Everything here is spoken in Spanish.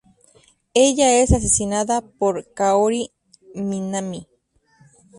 Ella es asesinada por Kaori Minami.